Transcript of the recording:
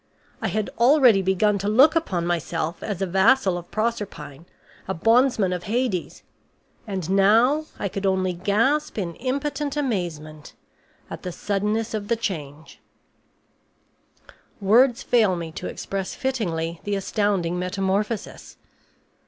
I had already begun to look upon myself as a vassal of Proserpine, a bondsman of Hades, and now I could only gasp in impotent amazement at the suddenness of the change; words fail me to express fittingly the astounding metamorphosis.